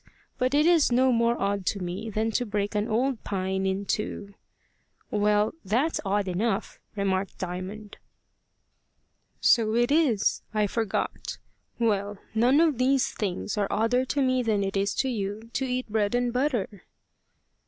But it is no more odd to me than to break an old pine in two." "Well, that's odd enough," remarked Diamond. "So it is! I forgot. Well, none of these things are odder to me than it is to you to eat bread and butter."